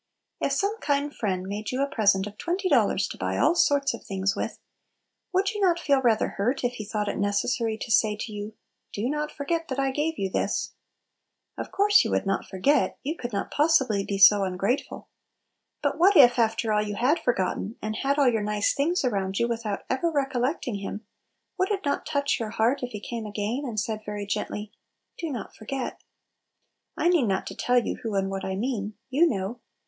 IF some kind friend made you a pres ent of twenty dollars to buy all sorts of things with, would you not feel rather hurt if he thought it necessary to say to you, "Do not forget that I gave you this "? Of course you would not forget, you could not possibly be so ungrateful. But what if, after all, you had forgotten, and had all your nice things around you without ever recollecting him, would it not touch your heart if he came again and said very gently, "Do not forget"? I need not tell you Who and what I mean. You know!